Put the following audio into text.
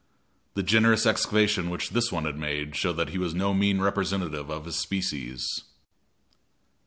The generous excavation which this one had made showed that he was no mean representative of his species.